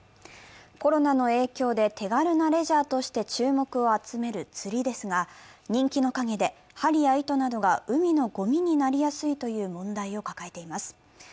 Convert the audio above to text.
コロナの影響で手軽なレジャーとして注目を集める釣りですが、人気の陰で針や糸などが海のごみになりやすいという問題を抱えています。